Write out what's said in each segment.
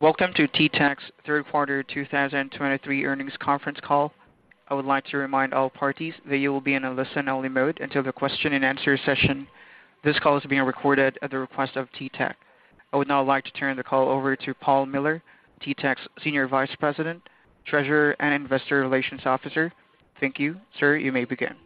Welcome to TTEC's third quarter 2023 earnings conference call. I would like to remind all parties that you will be in a listen-only mode until the question and answer session. This call is being recorded at the request of TTEC. I would now like to turn the call over to Paul Miller, TTEC's Senior Vice President, Treasurer, and Investor Relations Officer. Thank you. Sir, you may begin.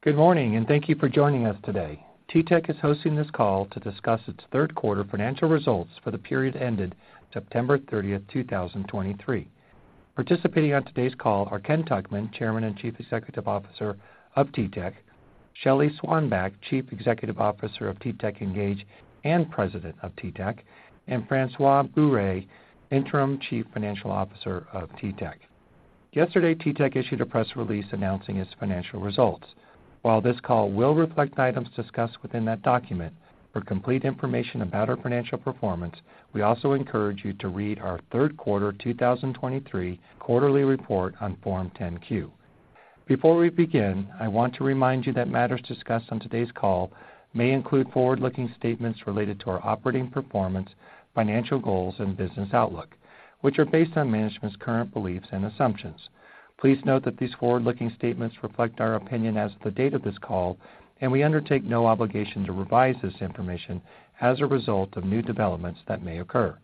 Good morning, and thank you for joining us today. TTEC is hosting this call to discuss its third quarter financial results for the period ended September 30, 2023. Participating on today's call are Ken Tuchman, Chairman and Chief Executive Officer of TTEC; Shelly Swanback, Chief Executive Officer of TTEC Engage and President of TTEC; and Francois Bourret, Interim Chief Financial Officer of TTEC. Yesterday, TTEC issued a press release announcing its financial results. While this call will reflect the items discussed within that document, for complete information about our financial performance, we also encourage you to read our third quarter 2023 quarterly report on Form 10-Q. Before we begin, I want to remind you that matters discussed on today's call may include forward-looking statements related to our operating performance, financial goals, and business outlook, which are based on management's current beliefs and assumptions. Please note that these forward-looking statements reflect our opinion as of the date of this call, and we undertake no obligation to revise this information as a result of new developments that may occur.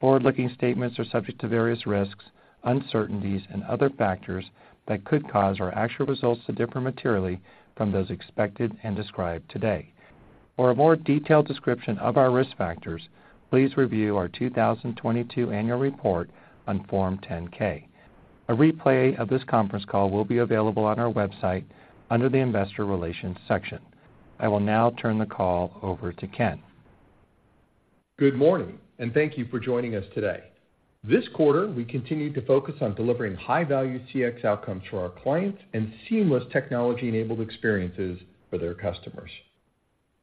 Forward-looking statements are subject to various risks, uncertainties, and other factors that could cause our actual results to differ materially from those expected and described today. For a more detailed description of our risk factors, please review our 2022 annual report on Form 10-K. A replay of this conference call will be available on our website under the Investor Relations section. I will now turn the call over to Ken. Good morning, and thank you for joining us today. This quarter, we continued to focus on delivering high-value CX outcomes for our clients and seamless technology-enabled experiences for their customers.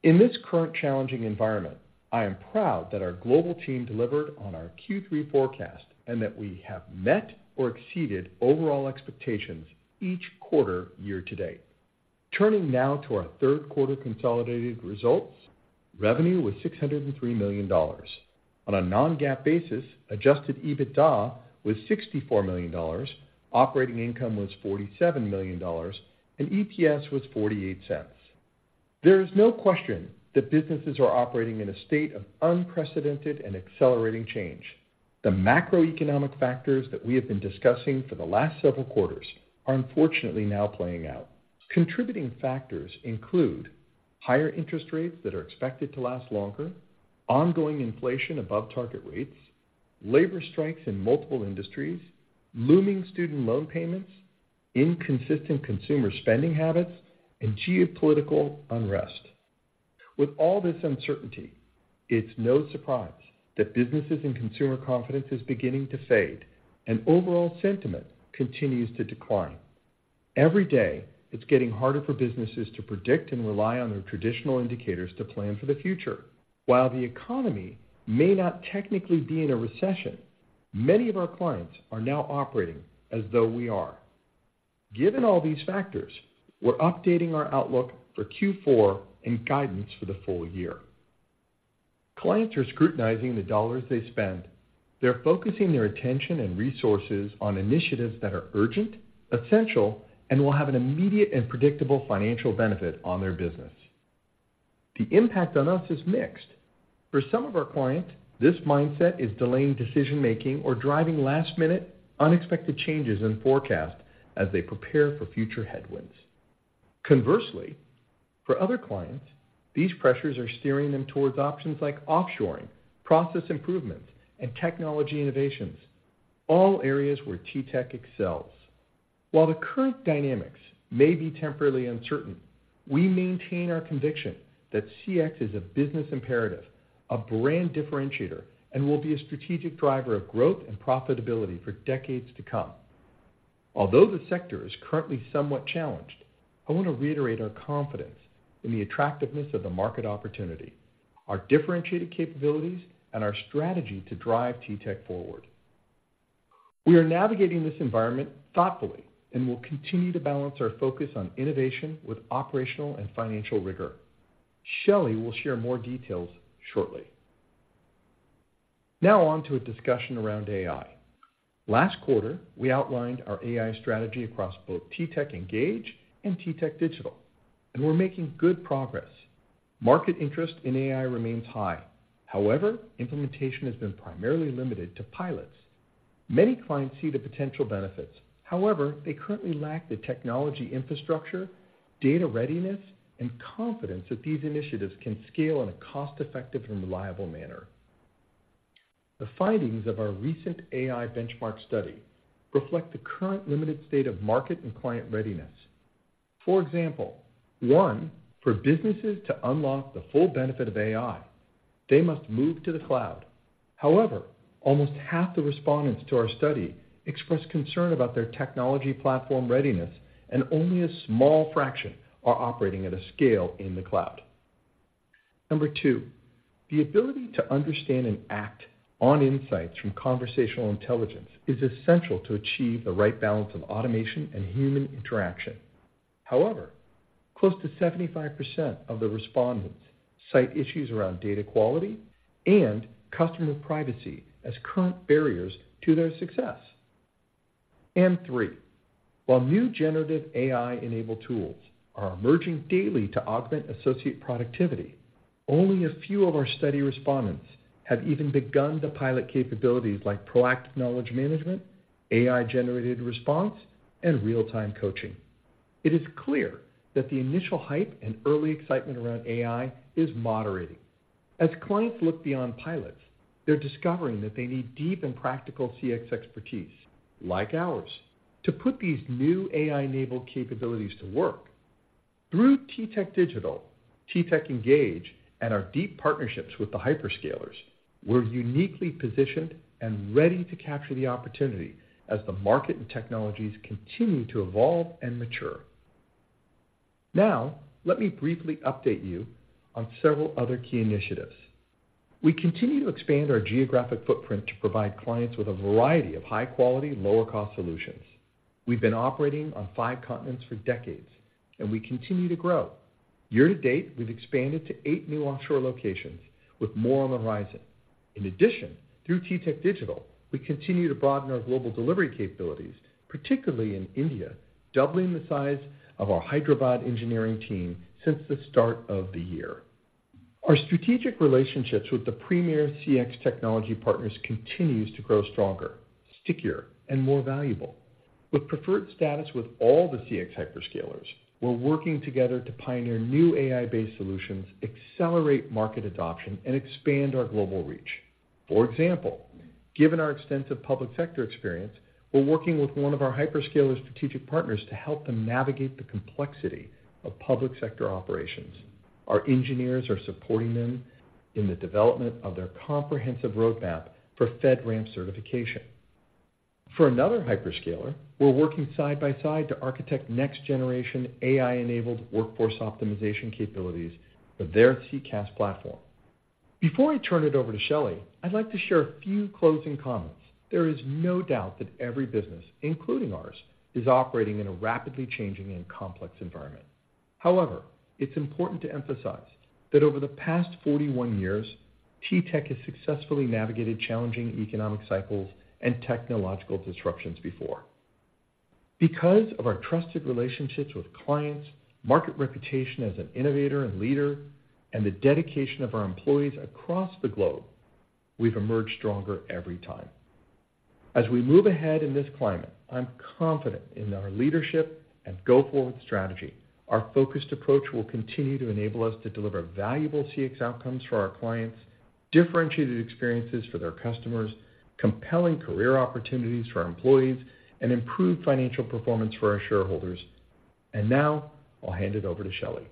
In this current challenging environment, I am proud that our global team delivered on our Q3 forecast, and that we have met or exceeded overall expectations each quarter year-to-date. Turning now to our third quarter consolidated results. Revenue was $603 million. On a non-GAAP basis, adjusted EBITDA was $64 million, operating income was $47 million, and EPS was $0.48. There is no question that businesses are operating in a state of unprecedented and accelerating change. The macroeconomic factors that we have been discussing for the last several quarters are unfortunately now playing out. Contributing factors include higher interest rates that are expected to last longer, ongoing inflation above target rates, labor strikes in multiple industries, looming student loan payments, inconsistent consumer spending habits, and geopolitical unrest. With all this uncertainty, it's no surprise that businesses and consumer confidence is beginning to fade and overall sentiment continues to decline. Every day, it's getting harder for businesses to predict and rely on their traditional indicators to plan for the future. While the economy may not technically be in a recession, many of our clients are now operating as though we are. Given all these factors, we're updating our outlook for Q4 and guidance for the full year. Clients are scrutinizing the dollars they spend. They're focusing their attention and resources on initiatives that are urgent, essential, and will have an immediate and predictable financial benefit on their business. The impact on us is mixed. For some of our clients, this mindset is delaying decision-making or driving last-minute, unexpected changes in forecast as they prepare for future headwinds. Conversely, for other clients, these pressures are steering them towards options like offshoring, process improvement, and technology innovations, all areas where TTEC excels. While the current dynamics may be temporarily uncertain, we maintain our conviction that CX is a business imperative, a brand differentiator, and will be a strategic driver of growth and profitability for decades to come. Although the sector is currently somewhat challenged, I want to reiterate our confidence in the attractiveness of the market opportunity, our differentiated capabilities, and our strategy to drive TTEC forward. We are navigating this environment thoughtfully and will continue to balance our focus on innovation with operational and financial rigor. Shelly will share more details shortly. Now on to a discussion around AI. Last quarter, we outlined our AI strategy across both TTEC Engage and TTEC Digital, and we're making good progress. Market interest in AI remains high. However, implementation has been primarily limited to pilots. Many clients see the potential benefits. However, they currently lack the technology infrastructure, data readiness, and confidence that these initiatives can scale in a cost-effective and reliable manner. The findings of our recent AI benchmark study reflect the current limited state of market and client readiness. For example, one, for businesses to unlock the full benefit of AI, they must move to the cloud. However, almost half the respondents to our study expressed concern about their technology platform readiness, and only a small fraction are operating at a scale in the cloud. Number two, the ability to understand and act on insights from conversational intelligence is essential to achieve the right balance of automation and human interaction. However, close to 75% of the respondents cite issues around data quality and customer privacy as current barriers to their success. And three, while new generative AI-enabled tools are emerging daily to augment associate productivity, only a few of our study respondents have even begun to pilot capabilities like proactive knowledge management, AI-generated response, and real-time coaching. It is clear that the initial hype and early excitement around AI is moderating. As clients look beyond pilots, they're discovering that they need deep and practical CX expertise, like ours, to put these new AI-enabled capabilities to work. Through TTEC Digital, TTEC Engage, and our deep partnerships with the hyperscalers, we're uniquely positioned and ready to capture the opportunity as the market and technologies continue to evolve and mature. Now, let me briefly update you on several other key initiatives. We continue to expand our geographic footprint to provide clients with a variety of high-quality, lower-cost solutions. We've been operating on five continents for decades, and we continue to grow. Year-to-date, we've expanded to eight new offshore locations, with more on the horizon. In addition, through TTEC Digital, we continue to broaden our global delivery capabilities, particularly in India, doubling the size of our Hyderabad engineering team since the start of the year. Our strategic relationships with the premier CX technology partners continues to grow stronger, stickier, and more valuable. With preferred status with all the CX hyperscalers, we're working together to pioneer new AI-based solutions, accelerate market adoption, and expand our global reach. For example, given our extensive public sector experience, we're working with one of our hyperscaler strategic partners to help them navigate the complexity of public sector operations. Our engineers are supporting them in the development of their comprehensive roadmap for FedRAMP certification. For another hyperscaler, we're working side by side to architect next generation AI-enabled workforce optimization capabilities for their CCaaS platform. Before I turn it over to Shelly, I'd like to share a few closing comments. There is no doubt that every business, including ours, is operating in a rapidly changing and complex environment. However, it's important to emphasize that over the past 41 years, TTEC has successfully navigated challenging economic cycles and technological disruptions before. Because of our trusted relationships with clients, market reputation as an innovator and leader, and the dedication of our employees across the globe, we've emerged stronger every time. As we move ahead in this climate, I'm confident in our leadership and go-forward strategy. Our focused approach will continue to enable us to deliver valuable CX outcomes for our clients, differentiated experiences for their customers, compelling career opportunities for our employees, and improved financial performance for our shareholders. Now, I'll hand it over to Shelly.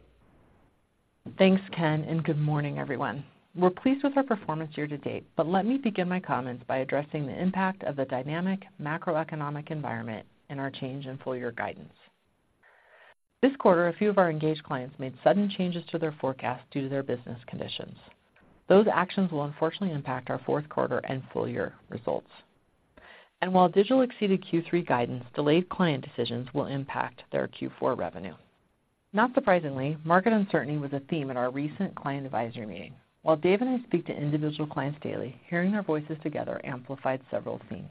Thanks, Ken, and good morning, everyone. We're pleased with our performance year-to-date, but let me begin my comments by addressing the impact of the dynamic macroeconomic environment and our change in full year guidance. This quarter, a few of our engaged clients made sudden changes to their forecast due to their business conditions. Those actions will unfortunately impact our fourth quarter and full year results. While Digital exceeded Q3 guidance, delayed client decisions will impact their Q4 revenue. Not surprisingly, market uncertainty was a theme at our recent client advisory meeting. While Dave and I speak to individual clients daily, hearing their voices together amplified several themes.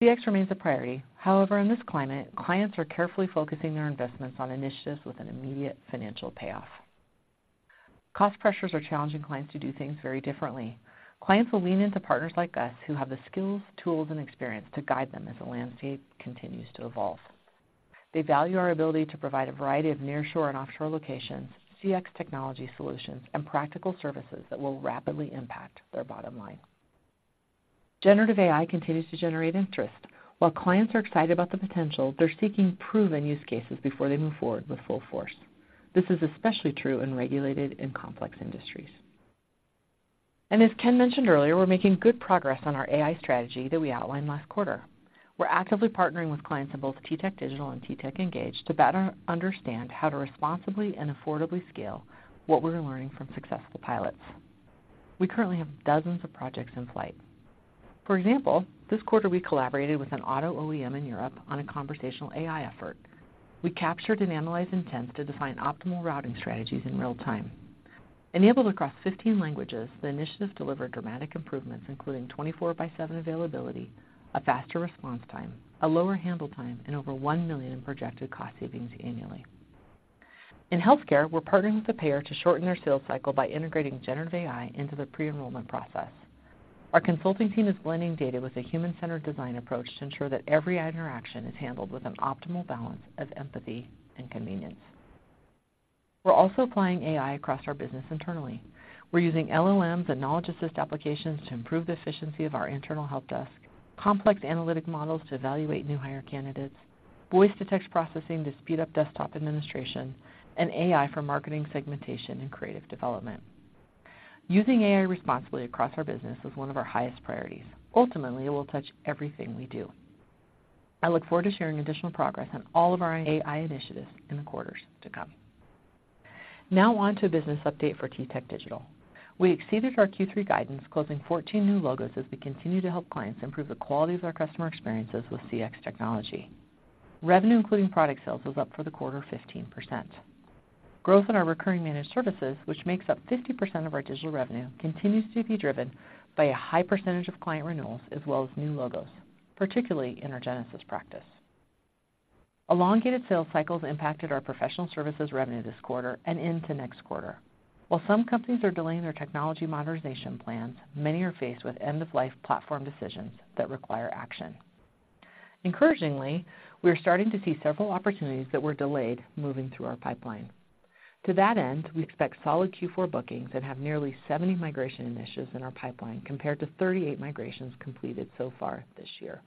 CX remains a priority. However, in this climate, clients are carefully focusing their investments on initiatives with an immediate financial payoff. Cost pressures are challenging clients to do things very differently. Clients will lean into partners like us, who have the skills, tools, and experience to guide them as the landscape continues to evolve. They value our ability to provide a variety of nearshore and offshore locations, CX technology solutions, and practical services that will rapidly impact their bottom line. Generative AI continues to generate interest. While clients are excited about the potential, they're seeking proven use cases before they move forward with full force. This is especially true in regulated and complex industries. As Ken mentioned earlier, we're making good progress on our AI strategy that we outlined last quarter. We're actively partnering with clients in both TTEC Digital and TTEC Engage to better understand how to responsibly and affordably scale what we're learning from successful pilots. We currently have dozens of projects in flight. For example, this quarter, we collaborated with an auto OEM in Europe on a conversational AI effort. We captured and analyzed intents to define optimal routing strategies in real time. Enabled across 15 languages, the initiative delivered dramatic improvements, including 24/7 availability, a faster response time, a lower handle time, and over $1 million in projected cost savings annually. In healthcare, we're partnering with a payer to shorten their sales cycle by integrating generative AI into the pre-enrollment process. Our consulting team is blending data with a human-centered design approach to ensure that every interaction is handled with an optimal balance of empathy and convenience. We're also applying AI across our business internally. We're using LLMs and knowledge assist applications to improve the efficiency of our internal help desk, complex analytic models to evaluate new hire candidates, voice-to-text processing to speed up desktop administration, and AI for marketing segmentation and creative development. Using AI responsibly across our business is one of our highest priorities. Ultimately, it will touch everything we do. I look forward to sharing additional progress on all of our AI initiatives in the quarters to come. Now on to a business update for TTEC Digital. We exceeded our Q3 guidance, closing 14 new logos as we continue to help clients improve the quality of their customer experiences with CX technology. Revenue, including product sales, was up for the quarter 15%. Growth in our recurring managed services, which makes up 50% of our digital revenue, continues to be driven by a high percentage of client renewals as well as new logos, particularly in our Genesys practice. Elongated sales cycles impacted our professional services revenue this quarter and into next quarter. While some companies are delaying their technology modernization plans, many are faced with end-of-life platform decisions that require action. Encouragingly, we are starting to see several opportunities that were delayed moving through our pipeline. To that end, we expect solid Q4 bookings and have nearly 70 migration initiatives in our pipeline, compared to 38 migrations completed so far this year.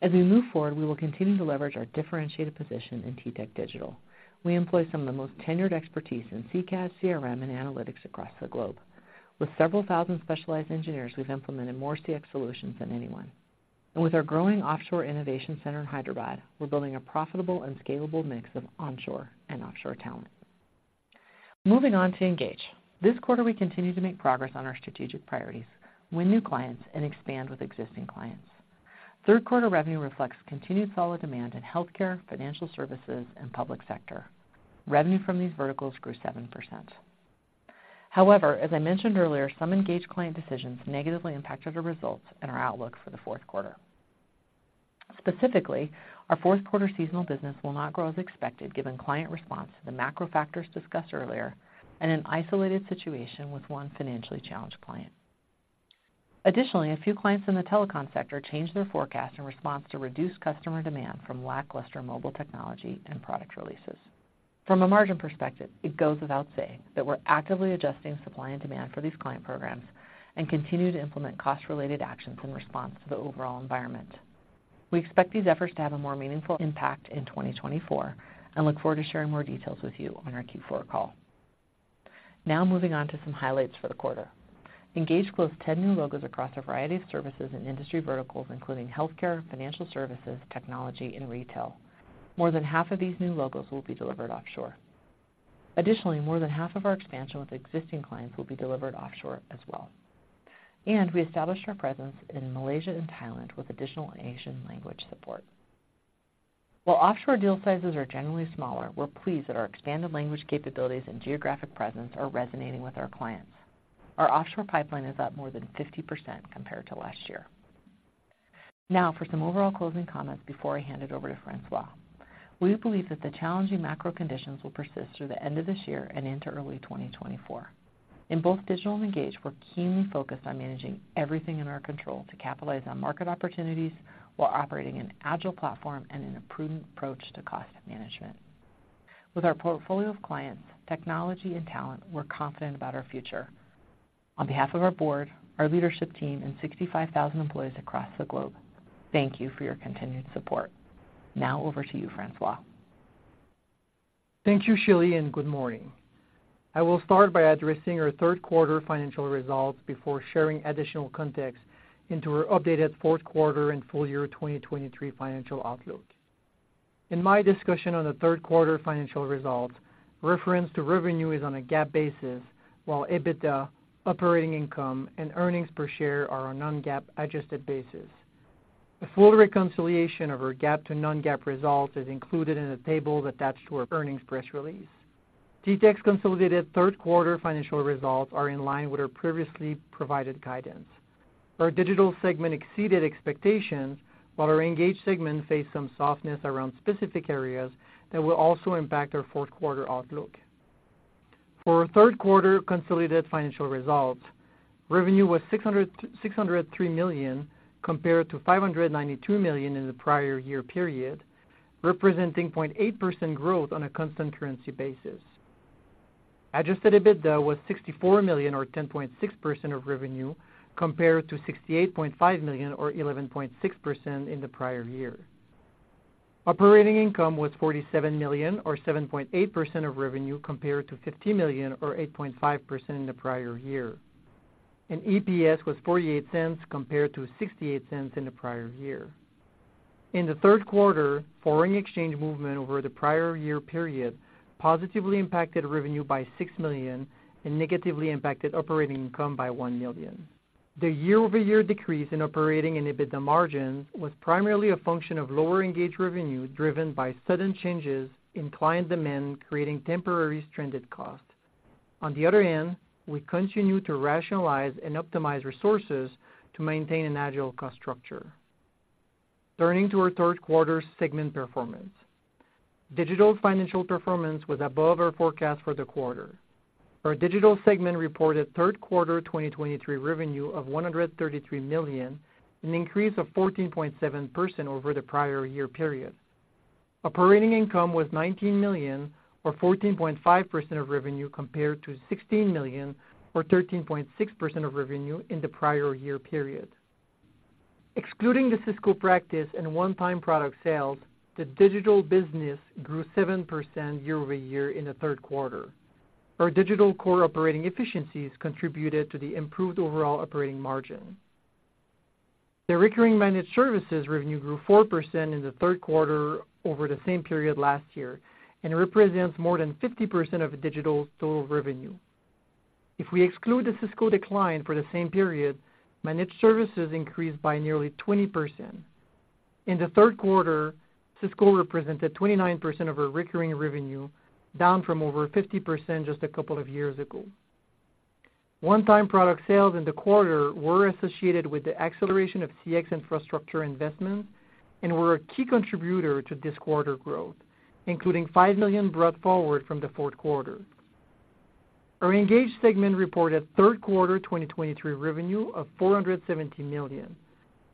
As we move forward, we will continue to leverage our differentiated position in TTEC Digital. We employ some of the most tenured expertise in CCaaS, CRM, and analytics across the globe. With several thousand specialized engineers, we've implemented more CX solutions than anyone, and with our growing offshore innovation center in Hyderabad, we're building a profitable and scalable mix of onshore and offshore talent. Moving on to Engage. This quarter, we continued to make progress on our strategic priorities, win new clients, and expand with existing clients. Third quarter revenue reflects continued solid demand in healthcare, financial services, and public sector. Revenue from these verticals grew 7%. However, as I mentioned earlier, some Engage client decisions negatively impacted our results and our outlook for the fourth quarter. Specifically, our fourth quarter seasonal business will not grow as expected, given client response to the macro factors discussed earlier and an isolated situation with one financially challenged client. Additionally, a few clients in the telecom sector changed their forecast in response to reduced customer demand from lackluster mobile technology and product releases. From a margin perspective, it goes without saying that we're actively adjusting supply and demand for these client programs and continue to implement cost-related actions in response to the overall environment. We expect these efforts to have a more meaningful impact in 2024 and look forward to sharing more details with you on our Q4 call. Now moving on to some highlights for the quarter. Engage closed 10 new logos across a variety of services and industry verticals, including healthcare, financial services, technology, and retail. More than half of these new logos will be delivered offshore. Additionally, more than half of our expansion with existing clients will be delivered offshore as well. We established our presence in Malaysia and Thailand with additional Asian language support. While offshore deal sizes are generally smaller, we're pleased that our expanded language capabilities and geographic presence are resonating with our clients. Our offshore pipeline is up more than 50% compared to last year. Now for some overall closing comments before I hand it over to Francois. We believe that the challenging macro conditions will persist through the end of this year and into early 2024. In both Digital and Engage, we're keenly focused on managing everything in our control to capitalize on market opportunities while operating an agile platform and in a prudent approach to cost management. With our portfolio of clients, technology, and talent, we're confident about our future. On behalf of our board, our leadership team, and 65,000 employees across the globe, thank you for your continued support. Now over to you, Francois. Thank you, Shelly, and good morning. I will start by addressing our third quarter financial results before sharing additional context into our updated fourth quarter and full year 2023 financial outlook. In my discussion on the third quarter financial results, reference to revenue is on a GAAP basis, while EBITDA, operating income, and earnings per share are on non-GAAP adjusted basis. A full reconciliation of our GAAP to non-GAAP results is included in the table attached to our earnings press release. TTEC's consolidated third quarter financial results are in line with our previously provided guidance. Our digital segment exceeded expectations, while our Engage segment faced some softness around specific areas that will also impact our fourth quarter outlook. For our third quarter consolidated financial results, revenue was $603 million, compared to $592 million in the prior year period, representing 0.8% growth on a constant currency basis. Adjusted EBITDA was $64 million, or 10.6% of revenue, compared to $68.5 million, or 11.6% in the prior year. Operating income was $47 million, or 7.8% of revenue, compared to $50 million, or 8.5% in the prior year. EPS was $0.48, compared to $0.68 in the prior year. In the third quarter, foreign exchange movement over the prior year period positively impacted revenue by $6 million and negatively impacted operating income by $1 million. The year-over-year decrease in operating and EBITDA margins was primarily a function of lower Engage revenue, driven by sudden changes in client demand, creating temporary stranded costs. On the other hand, we continue to rationalize and optimize resources to maintain an agile cost structure. Turning to our third quarter segment performance. Digital financial performance was above our forecast for the quarter. Our digital segment reported third quarter 2023 revenue of $133 million, an increase of 14.7% over the prior year period. Operating income was $19 million, or 14.5% of revenue, compared to $16 million, or 13.6% of revenue in the prior year period. Excluding the Cisco practice and one-time product sales, the digital business grew 7% year-over-year in the third quarter. Our digital core operating efficiencies contributed to the improved overall operating margin. The recurring managed services revenue grew 4% in the third quarter over the same period last year, and it represents more than 50% of the digital total revenue. If we exclude the Cisco decline for the same period, managed services increased by nearly 20%. In the third quarter, Cisco represented 29% of our recurring revenue, down from over 50% just a couple of years ago. One-time product sales in the quarter were associated with the acceleration of CX infrastructure investments and were a key contributor to this quarter growth, including $5 million brought forward from the fourth quarter. Our Engage segment reported third quarter 2023 revenue of $470 million,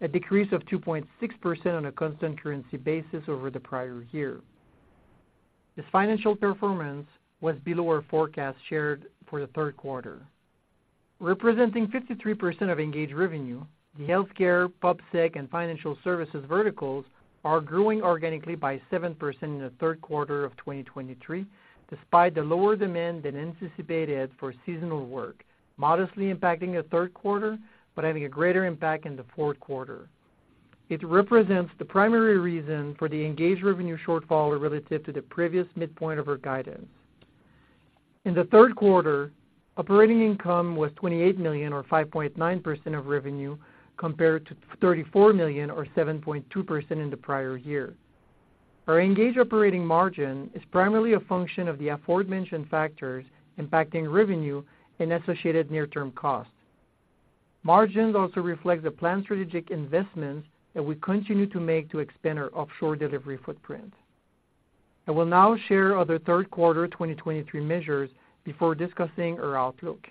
a decrease of 2.6% on a constant currency basis over the prior year. This financial performance was below our forecast shared for the third quarter. Representing 53% of Engage revenue, the healthcare, pub sec, and financial services verticals are growing organically by 7% in the third quarter of 2023, despite the lower demand than anticipated for seasonal work, modestly impacting the third quarter, but having a greater impact in the fourth quarter. It represents the primary reason for the Engage revenue shortfall relative to the previous midpoint of our guidance. In the third quarter, operating income was $28 million, or 5.9% of revenue, compared to $34 million, or 7.2% in the prior year. Our Engage operating margin is primarily a function of the aforementioned factors impacting revenue and associated near-term costs. Margins also reflect the planned strategic investments that we continue to make to expand our offshore delivery footprint. I will now share other third quarter 2023 measures before discussing our outlook.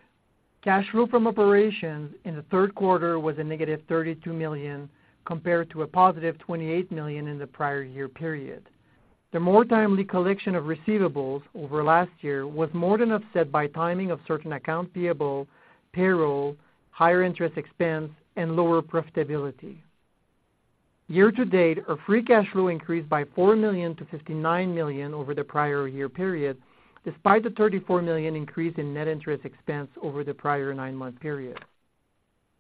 Cash flow from operations in the third quarter was a negative $32 million, compared to a positive $28 million in the prior year period. The more timely collection of receivables over last year was more than offset by timing of certain accounts payable, payroll, higher interest expense, and lower profitability. Year-to-date, our free cash flow increased by $4 million to $59 million over the prior year period, despite the $34 million increase in net interest expense over the prior nine-month period.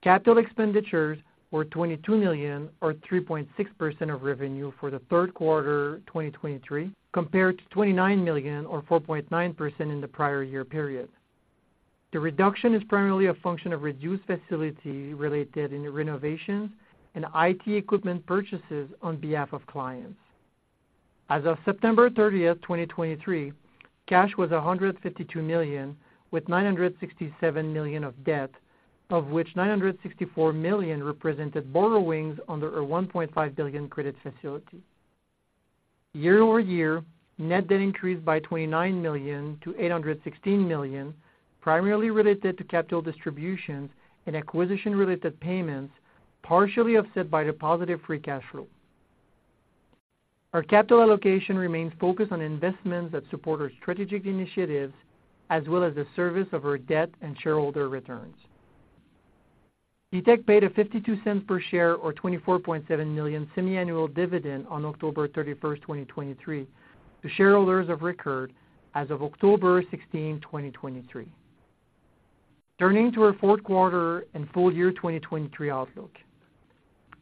Capital expenditures were $22 million, or 3.6% of revenue, for the third quarter 2023, compared to $29 million, or 4.9%, in the prior year period. The reduction is primarily a function of reduced facility-related in renovations and IT equipment purchases on behalf of clients. As of September 30, 2023, cash was $152 million, with $967 million of debt, of which $964 million represented borrowings under our $1.5 billion credit facility. Year-over-year, net debt increased by $29 million to $816 million, primarily related to capital distributions and acquisition-related payments, partially offset by the positive free cash flow. Our capital allocation remains focused on investments that support our strategic initiatives, as well as the service of our debt and shareholder returns. TTEC paid a $0.52 per share, or $24.7 million semiannual dividend on October 31, 2023. The shareholders have recorded as of October 16, 2023. Turning to our fourth quarter and full year 2023 outlook.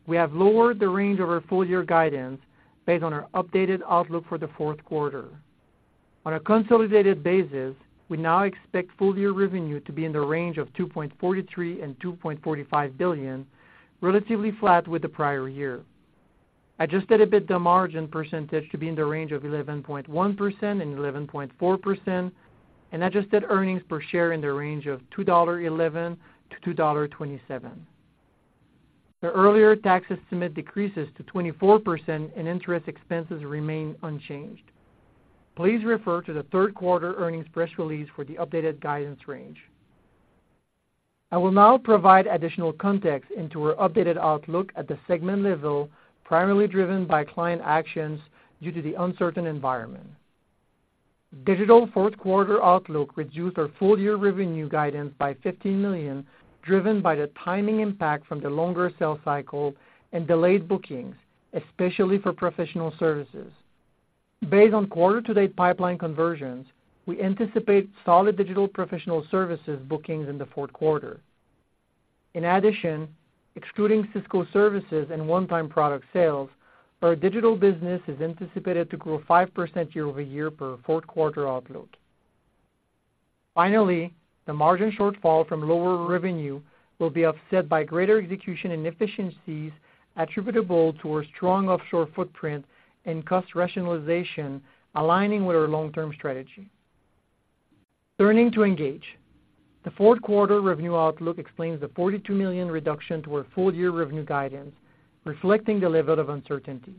We have lowered the range of our full year guidance based on our updated outlook for the fourth quarter. On a consolidated basis, we now expect full year revenue to be in the range of $2.43 billion-$2.45 billion, relatively flat with the prior year. Adjusted EBITDA margin percentage to be in the range of 11.1%-11.4%, and adjusted earnings per share in the range of $2.11-$2.27. The earlier tax estimate decreases to 24%, and interest expenses remain unchanged. Please refer to the third quarter earnings press release for the updated guidance range. I will now provide additional context into our updated outlook at the segment level, primarily driven by client actions due to the uncertain environment. Digital fourth quarter outlook reduced our full year revenue guidance by $15 million, driven by the timing impact from the longer sales cycle and delayed bookings, especially for professional services. Based on quarter-to-date pipeline conversions, we anticipate solid digital professional services bookings in the fourth quarter. In addition, excluding Cisco services and one-time product sales, our digital business is anticipated to grow 5% year-over-year per fourth quarter outlook. Finally, the margin shortfall from lower revenue will be offset by greater execution and efficiencies attributable to our strong offshore footprint and cost rationalization, aligning with our long-term strategy. Turning to Engage. The fourth quarter revenue outlook explains the $42 million reduction to our full year revenue guidance, reflecting the level of uncertainty.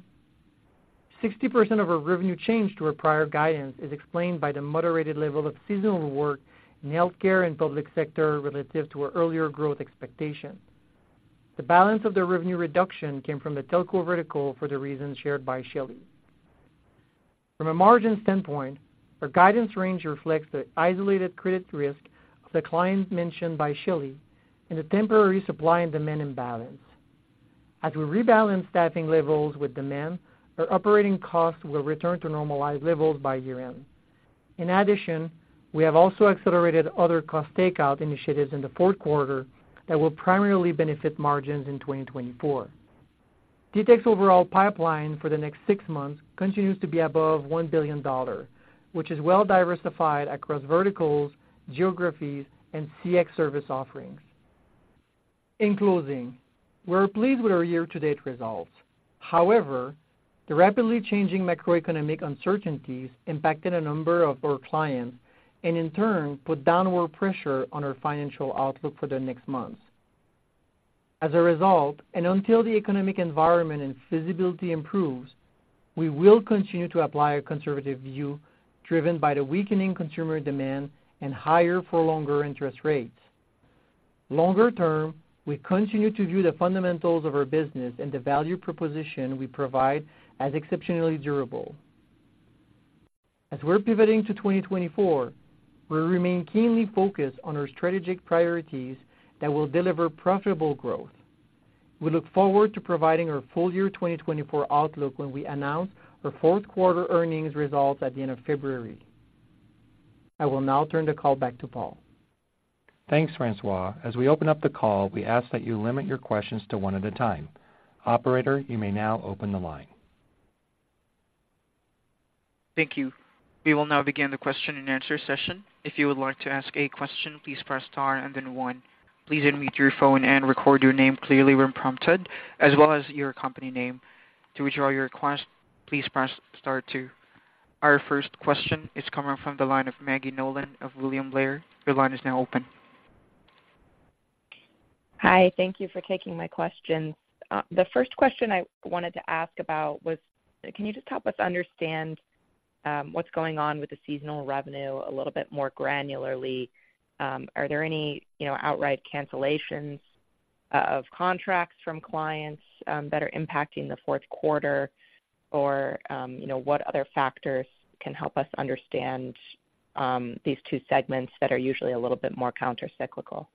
60% of our revenue change to our prior guidance is explained by the moderated level of seasonal work in the healthcare and public sector relative to our earlier growth expectations. The balance of the revenue reduction came from the telco vertical for the reasons shared by Shelly. From a margin standpoint, our guidance range reflects the isolated credit risk of the clients mentioned by Shelly and a temporary supply and demand imbalance. As we rebalance staffing levels with demand, our operating costs will return to normalized levels by year-end. In addition, we have also accelerated other cost takeout initiatives in the fourth quarter that will primarily benefit margins in 2024. TTEC's overall pipeline for the next six months continues to be above $1 billion, which is well diversified across verticals, geographies, and CX service offerings. In closing, we're pleased with our year-to-date results. However, the rapidly changing macroeconomic uncertainties impacted a number of our clients, and in turn, put downward pressure on our financial outlook for the next months. As a result, and until the economic environment and visibility improves, we will continue to apply a conservative view driven by the weakening consumer demand and higher for longer interest rates. Longer term, we continue to view the fundamentals of our business and the value proposition we provide as exceptionally durable. As we're pivoting to 2024, we remain keenly focused on our strategic priorities that will deliver profitable growth. We look forward to providing our full year 2024 outlook when we announce our fourth quarter earnings results at the end of February. I will now turn the call back to Paul. Thanks, Francois. As we open up the call, we ask that you limit your questions to one at a time. Operator, you may now open the line. Thank you. We will now begin the question and answer session. If you would like to ask a question, please press Star and then One. Please unmute your phone and record your name clearly when prompted, as well as your company name. To withdraw your request, please press star two. Our first question is coming from the line of Maggie Nolan of William Blair. Your line is now open. Hi, thank you for taking my questions. The first question I wanted to ask about was, can you just help us understand, what's going on with the seasonal revenue a little bit more granularly? Are there any, you know, outright cancellations of contracts from clients that are impacting the fourth quarter? Or, you know, what other factors can help us understand these two segments that are usually a little bit more countercyclical?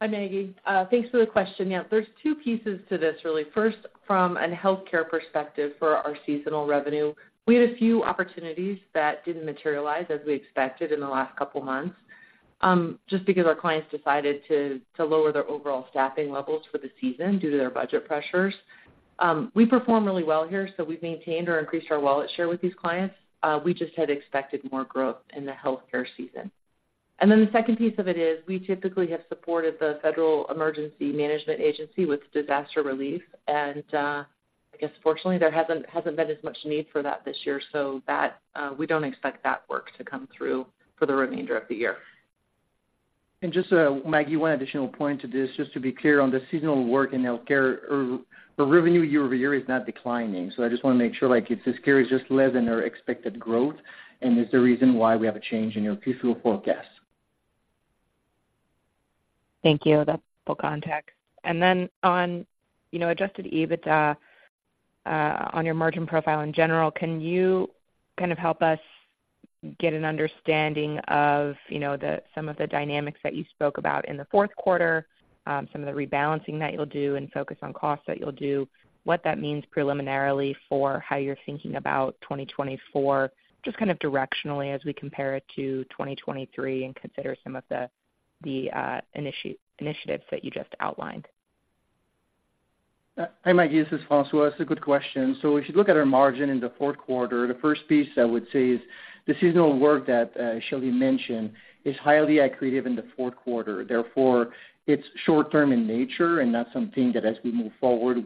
Hi, Maggie. Thanks for the question. Yeah, there's two pieces to this, really. First, from a healthcare perspective for our seasonal revenue, we had a few opportunities that didn't materialize as we expected in the last couple of months, just because our clients decided to lower their overall staffing levels for the season due to their budget pressures. We performed really well here, so we've maintained or increased our wallet share with these clients. We just had expected more growth in the healthcare season. And then the second piece of it is, we typically have supported the Federal Emergency Management Agency with disaster relief, and I guess fortunately, there hasn't been as much need for that this year, so that we don't expect that work to come through for the remainder of the year. Just, Maggie, one additional point to this, just to be clear, on the seasonal work in healthcare, our revenue year-over-year is not declining. So I just want to make sure, like, it's this carry is just less than our expected growth and is the reason why we have a change in our fiscal forecast. Thank you. That's full context. And then on, you know, adjusted EBITDA, on your margin profile in general, can you kind of help us get an understanding of, you know, the some of the dynamics that you spoke about in the fourth quarter, some of the rebalancing that you'll do and focus on costs that you'll do, what that means preliminarily for how you're thinking about 2024, just kind of directionally as we compare it to 2023 and consider some of the initiatives that you just outlined? Hi, Maggie, this is Francois. It's a good question. So if you look at our margin in the fourth quarter, the first piece I would say is the seasonal work that Shelly mentioned is highly accretive in the fourth quarter. Therefore, it's short term in nature, and that's something that, as we move forward,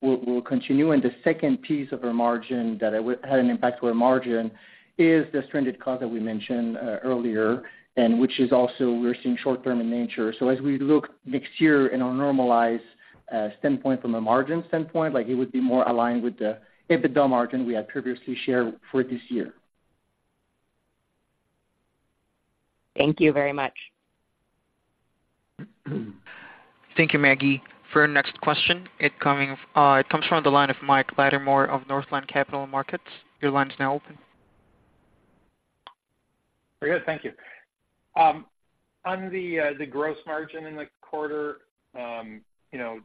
we'll continue. And the second piece of our margin that I would have had an impact to our margin is the stranded cost that we mentioned earlier, and which is also we're seeing short term in nature. So as we look next year in our normalized standpoint from a margin standpoint, like it would be more aligned with the EBITDA margin we had previously shared for this year. Thank you very much. Thank you, Maggie. For our next question, it comes from the line of Mike Latimore of Northland Capital Markets. Your line is now open. Very good. Thank you. On the gross margin in the quarter, you know,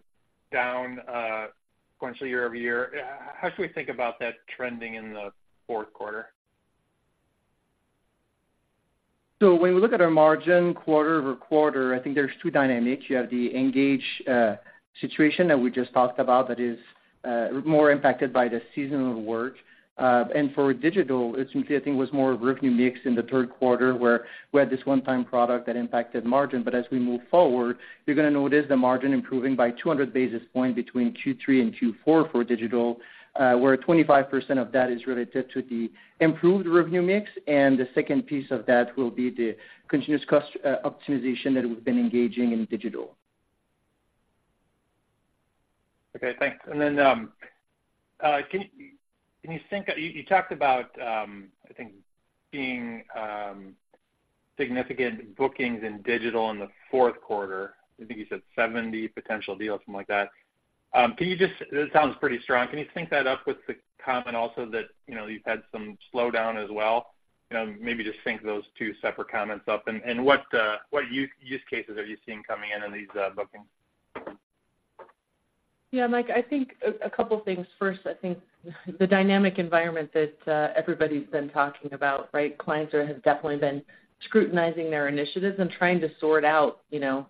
down sequentially year-over-year, how should we think about that trending in the fourth quarter? So when we look at our margin quarter over quarter, I think there's two dynamics. You have the Engage situation that we just talked about that is more impacted by the seasonal work. And for Digital, it simply, I think, was more of revenue mix in the third quarter, where we had this one-time product that impacted margin. But as we move forward, you're gonna notice the margin improving by 200 basis points between Q3 and Q4 for Digital, where 25% of that is related to the improved revenue mix, and the second piece of that will be the continuous cost optimization that we've been engaging in Digital. Okay, thanks. And then, can you sync. You talked about, I think seeing, significant bookings in Digital in the fourth quarter. I think you said 70 potential deals, something like that. Can you just, that sounds pretty strong. Can you sync that up with the comment also that, you know, you've had some slowdown as well? You know, maybe just sync those two separate comments up. And, what use cases are you seeing coming in on these, bookings? Yeah, Mike, I think a couple things. First, I think the dynamic environment that everybody's been talking about, right? Clients have definitely been scrutinizing their initiatives and trying to sort out, you know,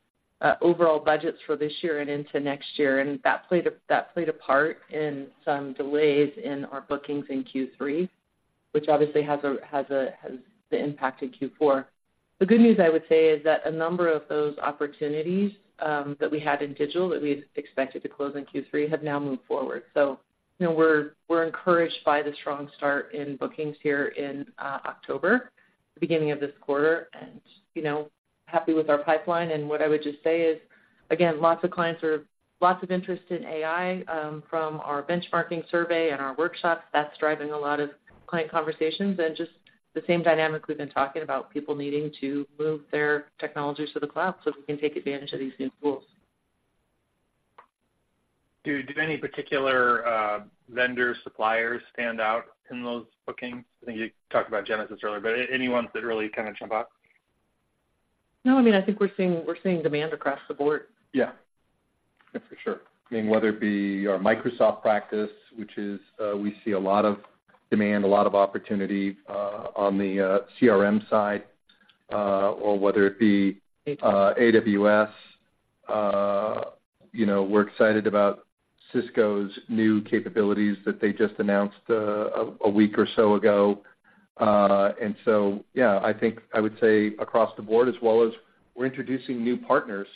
overall budgets for this year and into next year, and that played a part in some delays in our bookings in Q3, which obviously has been impacted Q4. The good news, I would say, is that a number of those opportunities that we had in digital, that we expected to close in Q3, have now moved forward. So, you know, we're encouraged by the strong start in bookings here in October, the beginning of this quarter, and, you know, happy with our pipeline. What I would just say is, again, lots of interest in AI from our benchmarking survey and our workshops. That's driving a lot of client conversations and just the same dynamic we've been talking about, people needing to move their technologies to the cloud so we can take advantage of these new tools. Do any particular vendors, suppliers stand out in those bookings? I think you talked about Genesys earlier, but any ones that really kind of jump out? No, I mean, I think we're seeing, we're seeing demand across the board. Yeah. Yeah, for sure. I mean, whether it be our Microsoft practice, which is, we see a lot of demand, a lot of opportunity, on the CRM side, or whether it be- AWS. AWS. You know, we're excited about Cisco's new capabilities that they just announced a week or so ago. And so, yeah, I think I would say across the board, as well as we're introducing new partners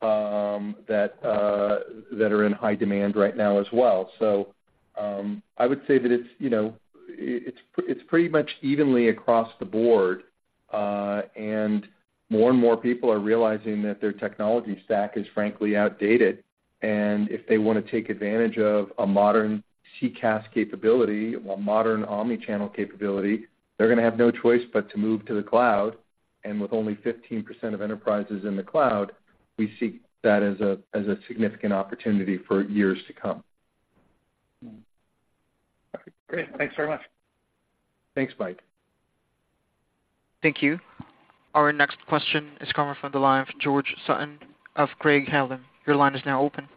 that that are in high demand right now as well. So, I would say that it's, you know, it's, it's pretty much evenly across the board, and more and more people are realizing that their technology stack is, frankly, outdated. And if they wanna take advantage of a modern CCaaS capability, a modern omnichannel capability, they're gonna have no choice but to move to the cloud, and with only 15% of enterprises in the cloud, we see that as a significant opportunity for years to come. Great. Thanks very much. Thanks, Mike. Thank you. Our next question is coming from the line of George Sutton of Craig-Hallum. Your line is now open.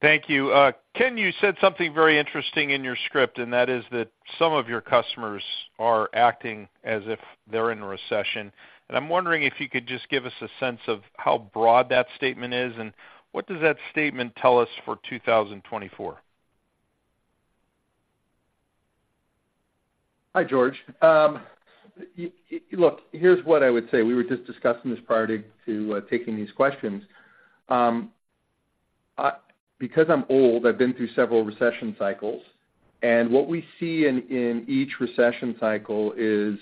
Thank you. Ken, you said something very interesting in your script, and that is that some of your customers are acting as if they're in a recession. I'm wondering if you could just give us a sense of how broad that statement is, and what does that statement tell us for 2024? Hi, George. Look, here's what I would say. We were just discussing this prior to taking these questions. Because I'm old, I've been through several recession cycles, and what we see in each recession cycle is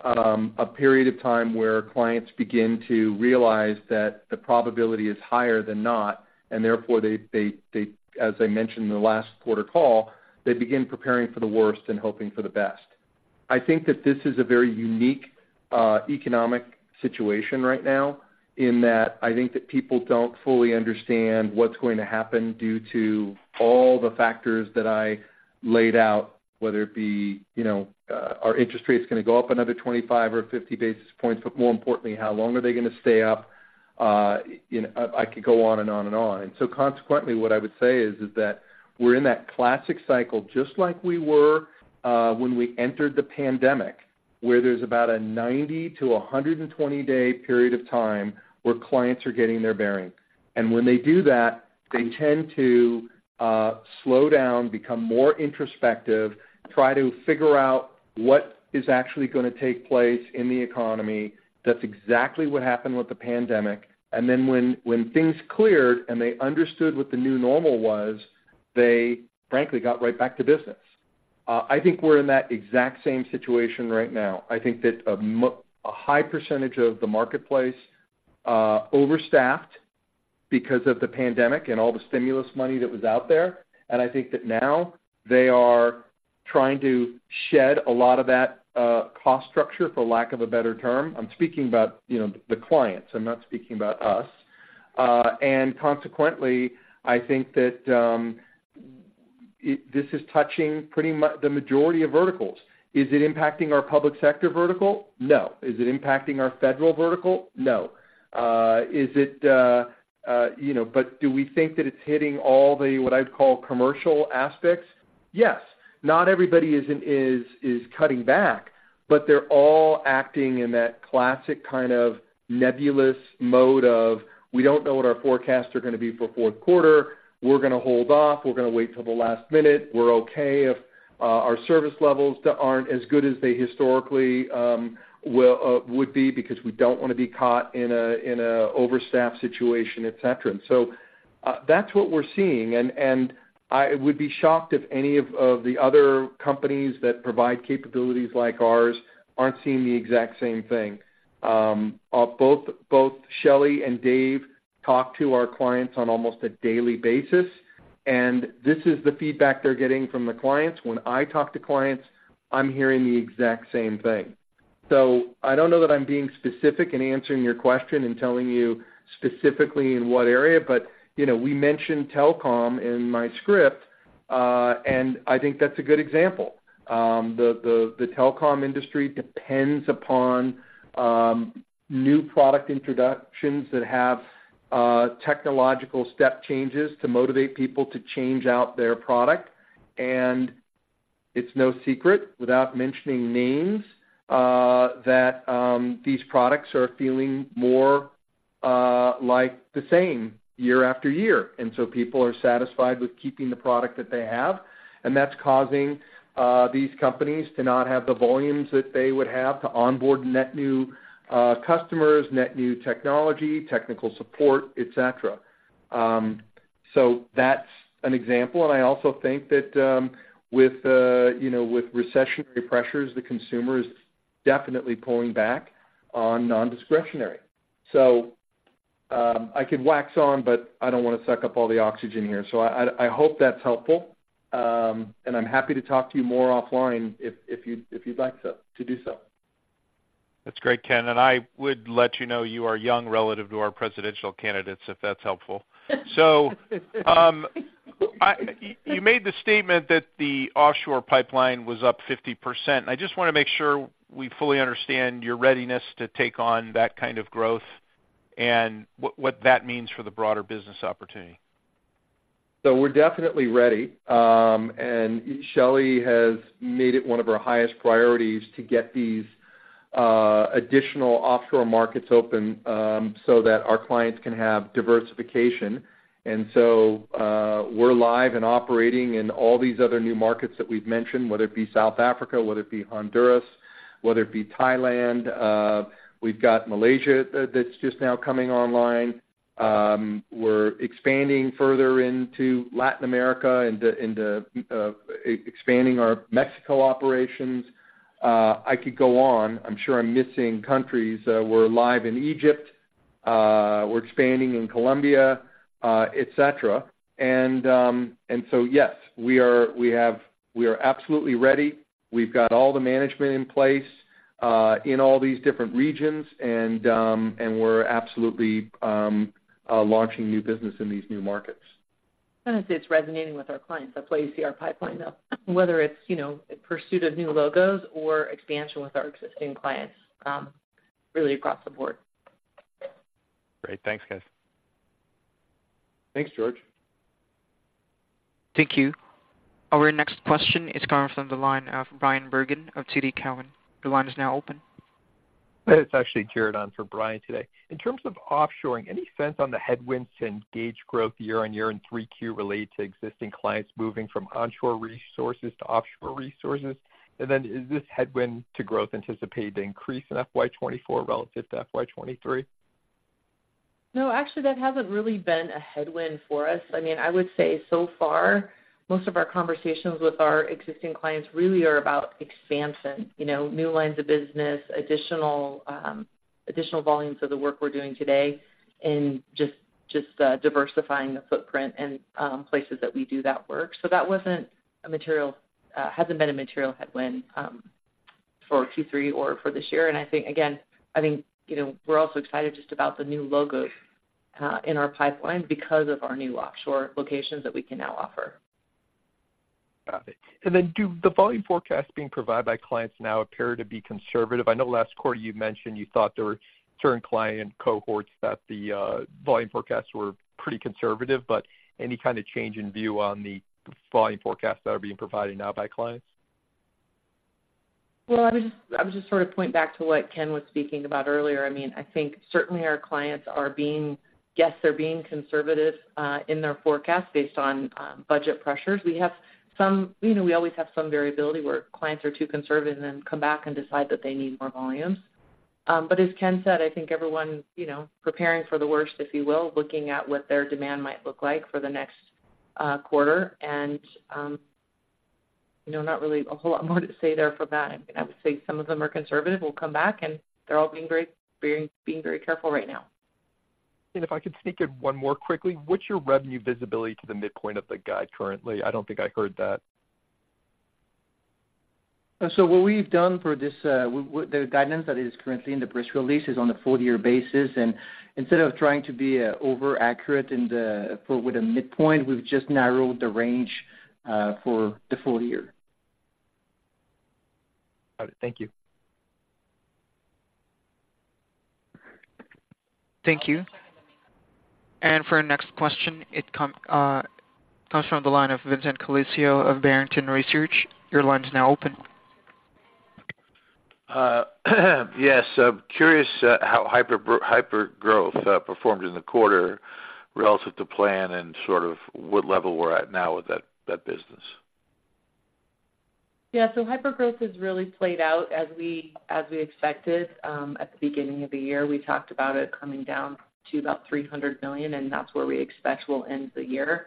a period of time where clients begin to realize that the probability is higher than not, and therefore, they, as I mentioned in the last quarter call, they begin preparing for the worst and hoping for the best. I think that this is a very unique economic situation right now, in that I think that people don't fully understand what's going to happen due to all the factors that I laid out, whether it be, you know, are interest rates gonna go up another 25 or 50 basis points, but more importantly, how long are they gonna stay up? You know, I could go on and on and on. So consequently, what I would say is that we're in that classic cycle, just like we were when we entered the pandemic, where there's about a 90- to 120-day period of time where clients are getting their bearings. And when they do that, they tend to slow down, become more introspective, try to figure out what is actually gonna take place in the economy. That's exactly what happened with the pandemic, and then when things cleared, and they understood what the new normal was, they frankly got right back to business. I think we're in that exact same situation right now. I think that a high percentage of the marketplace overstaffed because of the pandemic and all the stimulus money that was out there. I think that now they are trying to shed a lot of that, cost structure, for lack of a better term. I'm speaking about, you know, the clients, I'm not speaking about us. And consequently, I think that this is touching pretty much the majority of verticals. Is it impacting our public sector vertical? No. Is it impacting our federal vertical? No. You know, but do we think that it's hitting all the, what I'd call commercial aspects? Yes. Not everybody is cutting back, but they're all acting in that classic kind of nebulous mode of: We don't know what our forecasts are gonna be for fourth quarter. We're gonna hold off. We're gonna wait till the last minute. We're okay if our service levels aren't as good as they historically would be, because we don't wanna be caught in an overstaffed situation, et cetera. So, that's what we're seeing. I would be shocked if any of the other companies that provide capabilities like ours aren't seeing the exact same thing. Both Shelly and Dave talk to our clients on almost a daily basis, and this is the feedback they're getting from the clients. When I talk to clients, I'm hearing the exact same thing. So I don't know that I'm being specific in answering your question and telling you specifically in what area, but, you know, we mentioned telecom in my script, and I think that's a good example. The telecom industry depends upon new product introductions that have technological step changes to motivate people to change out their product. And it's no secret, without mentioning names, that these products are feeling more like the same year after year. And so people are satisfied with keeping the product that they have, and that's causing these companies to not have the volumes that they would have to onboard net new customers, net new technology, technical support, et cetera. So that's an example, and I also think that with you know, with recessionary pressures, the consumer is definitely pulling back on non-discretionary. So I could wax on, but I don't wanna suck up all the oxygen here. I hope that's helpful, and I'm happy to talk to you more offline if you'd like to do so. That's great, Ken, and I would let you know you are young relative to our presidential candidates, if that's helpful. So, you made the statement that the offshore pipeline was up 50%. I just wanna make sure we fully understand your readiness to take on that kind of growth and what, what that means for the broader business opportunity. So we're definitely ready. Shelly has made it one of our highest priorities to get these additional offshore markets open so that our clients can have diversification. We're live and operating in all these other new markets that we've mentioned, whether it be South Africa, whether it be Honduras, whether it be Thailand. We've got Malaysia that's just now coming online. We're expanding further into Latin America, expanding our Mexico operations. I could go on. I'm sure I'm missing countries. We're live in Egypt, we're expanding in Colombia, et cetera. Yes, we are absolutely ready. We've got all the management in place in all these different regions, and we're absolutely launching new business in these new markets. I'd say it's resonating with our clients. That's why you see our pipeline up, whether it's, you know, pursuit of new logos or expansion with our existing clients, really across the board. Great. Thanks, guys. Thanks, George. Thank you. Our next question is coming from the line of Bryan Bergin of TD Cowen. Your line is now open. It's actually Jared on for Brian today. In terms of offshoring, any sense on the headwinds to Engage growth year-over-year in 3Q related to existing clients moving from onshore resources to offshore resources? And then is this headwind to growth anticipated to increase in FY 2024 relative to FY 2023? No, actually, that hasn't really been a headwind for us. I mean, I would say so far, most of our conversations with our existing clients really are about expansion, you know, new lines of business, additional, additional volumes of the work we're doing today, and just, just, diversifying the footprint and places that we do that work. So that wasn't a material, hasn't been a material headwind, for Q3 or for this year. And I think, again, I think, you know, we're also excited just about the new logos, in our pipeline because of our new offshore locations that we can now offer. Got it. Then do the volume forecasts being provided by clients now appear to be conservative? I know last quarter you mentioned you thought there were certain client cohorts that the volume forecasts were pretty conservative, but any kind of change in view on the volume forecasts that are being provided now by clients? Well, I would just sort of point back to what Ken was speaking about earlier. I mean, I think certainly our clients are being. Yes, they're being conservative in their forecast based on budget pressures. We have some—you know, we always have some variability where clients are too conservative and then come back and decide that they need more volumes. But as Ken said, I think everyone, you know, preparing for the worst, if you will, looking at what their demand might look like for the next quarter. And, you know, not really a whole lot more to say there for that. I would say some of them are conservative. We'll come back, and they're all being very careful right now. If I could sneak in one more quickly. What's your revenue visibility to the midpoint of the guide currently? I don't think I heard that. So what we've done for this with the guidance that is currently in the press release is on a full year basis, and instead of trying to be over-accurate in the forecast with the midpoint, we've just narrowed the range for the full year. Got it. Thank you. Thank you. And for our next question, it comes from the line of Vincent Colicchio of Barrington Research. Your line is now open. Yes. I'm curious how hypergrowth performed in the quarter relative to plan and sort of what level we're at now with that, that business? Yeah. So hypergrowth has really played out as we, as we expected. At the beginning of the year, we talked about it coming down to about $300 million, and that's where we expect we'll end the year.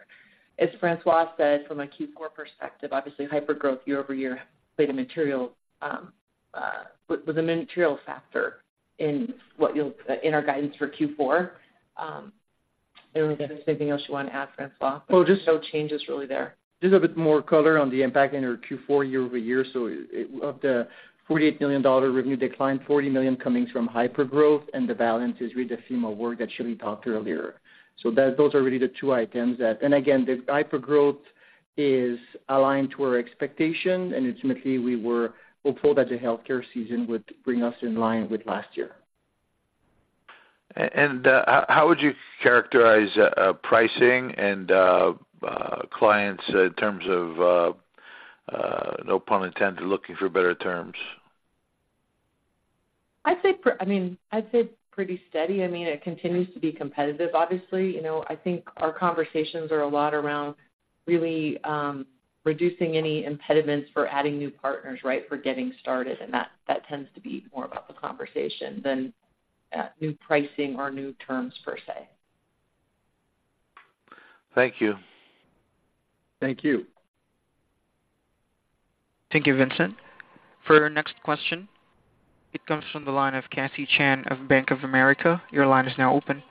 As Francois said, from a Q4 perspective, obviously, hypergrowth year-over-year played a material, was a material factor in what you'll, in our guidance for Q4. Is there anything else you want to add, Francois? Well, just. So, changes really there. Just a bit more color on the impact in our Q4 year-over-year. So of the $48 million revenue decline, $40 million coming from hypergrowth, and the balance is with the FEMA work that Shelly talked earlier. So that, those are really the two items that. And again, the hypergrowth is aligned to our expectation, and ultimately, we were hopeful that the healthcare season would bring us in line with last year. How would you characterize pricing and clients in terms of, no pun intended, looking for better terms? I'd say, I mean, I'd say pretty steady. I mean, it continues to be competitive, obviously. You know, I think our conversations are a lot around really reducing any impediments for adding new partners, right? For getting started, and that tends to be more about the conversation than new pricing or new terms per se. Thank you. Thank you. Thank you, Vincent. For our next question, it comes from the line of Cassie Chan of Bank of America. Your line is now open.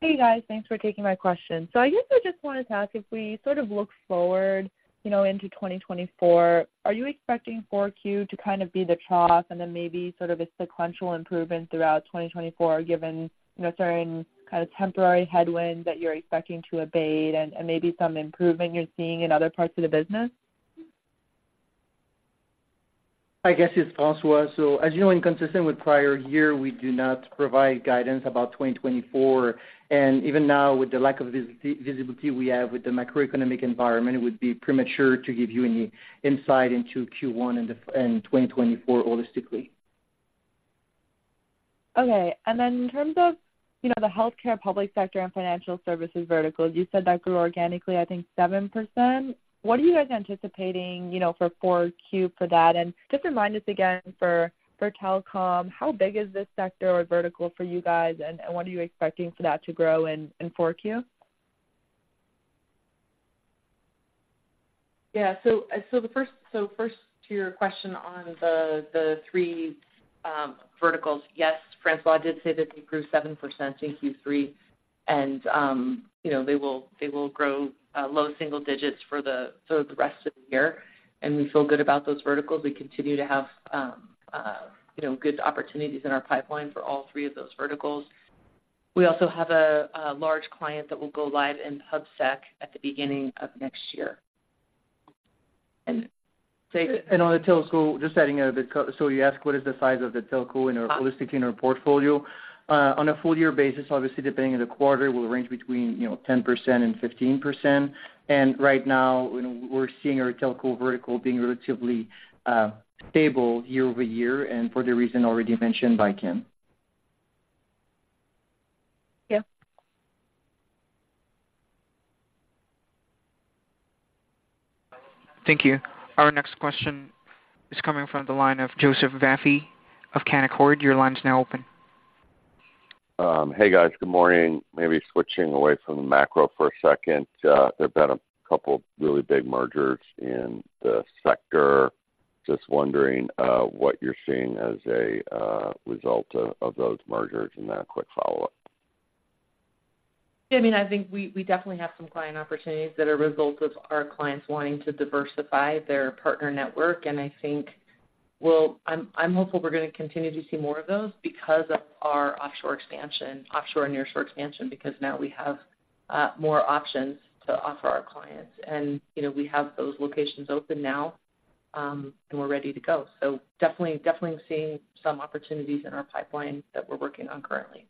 Hey, guys. Thanks for taking my question. So I guess I just wanted to ask, if we sort of look forward, you know, into 2024, are you expecting Q4 to kind of be the trough and then maybe sort of a sequential improvement throughout 2024, given, you know, certain kind of temporary headwinds that you're expecting to abate and, and maybe some improvement you're seeing in other parts of the business? I guess it's Francois. So as you know, and consistent with prior year, we do not provide guidance about 2024. And even now, with the lack of visibility we have with the macroeconomic environment, it would be premature to give you any insight into Q1 and 2024 holistically. Okay. And then in terms of, you know, the healthcare, public sector, and financial services verticals, you said that grew organically, I think 7%. What are you guys anticipating, you know, for 4Q for that? And just remind us again, for, for telecom, how big is this sector or vertical for you guys, and, and what are you expecting for that to grow in, in 4Q? Yeah. So first, to your question on the three verticals. Yes, Francois did say that they grew 7% in Q3, and you know, they will grow low single digits for the rest of the year, and we feel good about those verticals. We continue to have you know, good opportunities in our pipeline for all three of those verticals. We also have a large client that will go live in PubSec at the beginning of next year. On the telco, just adding a bit. So you asked, what is the size of the telco in our, holistically in our portfolio? On a full year basis, obviously, depending on the quarter, will range between, you know, 10% and 15%. Right now, we're seeing our telco vertical being relatively stable year-over-year, and for the reason already mentioned by Ken. Yeah. Thank you. Our next question is coming from the line of Joseph Vafi of Canaccord. Your line is now open. Hey, guys. Good morning. Maybe switching away from the macro for a second. There have been a couple of really big mergers in the sector. Just wondering what you're seeing as a result of those mergers, and then a quick follow-up. Yeah, I mean, I think we definitely have some client opportunities that are a result of our clients wanting to diversify their partner network. And I think, well, I'm hopeful we're going to continue to see more of those because of our offshore expansion, offshore and nearshore expansion, because now we have more options to offer our clients. And, you know, we have those locations open now, and we're ready to go. So definitely, definitely seeing some opportunities in our pipeline that we're working on currently.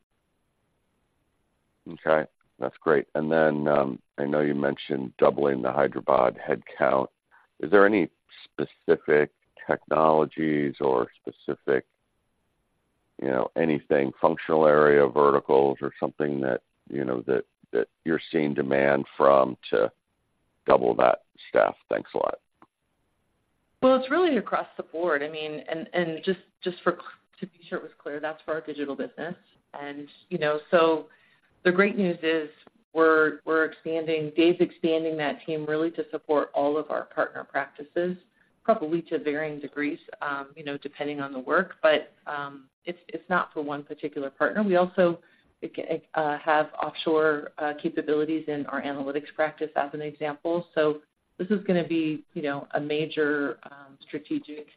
Okay, that's great. And then, I know you mentioned doubling the Hyderabad headcount. Is there any specific technologies or specific, you know, anything, functional area, verticals or something that, you know, that you're seeing demand from to double that staff? Thanks a lot. Well, it's really across the board. I mean, to be sure it was clear, that's for our digital business. And, you know, so the great news is we're expanding. Dave's expanding that team really to support all of our partner practices, probably to varying degrees, you know, depending on the work. But it's not for one particular partner. We also have offshore capabilities in our analytics practice as an example. So this is gonna be, you know, a major strategic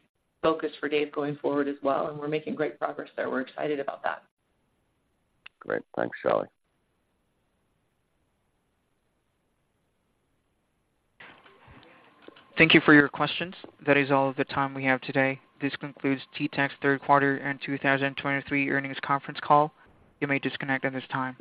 focus for Dave going forward as well, and we're making great progress there. We're excited about that. Great. Thanks, Shelly. Thank you for your questions. That is all the time we have today. This concludes TTEC's third quarter and 2023 earnings conference call. You may disconnect at this time.